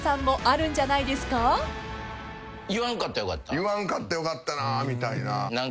言わんかったらよかったなみたいな。